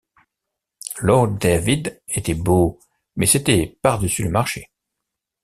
Lord David était beau, mais c’était par-dessus le marché.